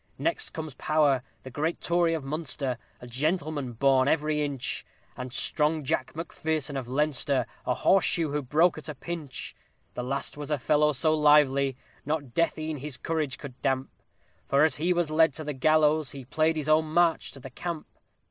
Next comes POWER, the great Tory of Munster, a gentleman born every inch, And strong JACK MACPHERSON of Leinster, a horse shoe who broke at a pinch; The last was a fellow so lively, not death e'en his courage could damp, For as he was led to the gallows, he played his own "march to the camp."